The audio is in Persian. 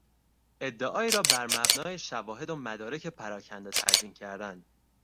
ادعایی را بر مبنای شواهد و مدارک پراکنده تدوین کردن